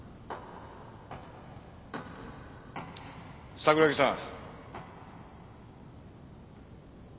櫻木さん。